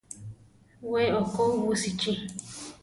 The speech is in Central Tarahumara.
We okó busichí.